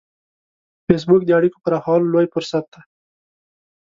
فېسبوک د اړیکو پراخولو لوی فرصت دی